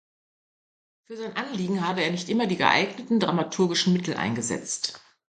Für sein Anliegen habe er nicht immer die „geeigneten dramaturgischen Mittel“ eingesetzt.